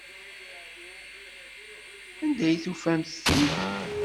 Anda ay d-tufamt ti?